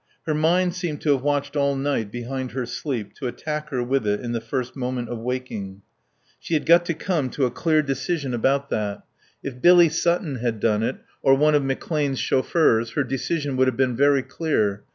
Her mind seemed to have watched all night behind her sleep to attack her with it in the first moment of waking. She had got to come to a clear decision about that. If Billy Sutton had done it, or one of McClane's chauffeurs, her decision would have been very clear.